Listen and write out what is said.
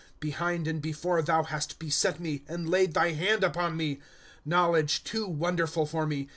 ^ Behind and before thou hast beset me, And laid thy hand upon me. ^ Knowledge too wonderful for me